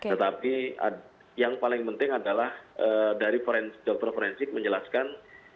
tetapi yang paling penting adalah dari dokter forensik menjelaskan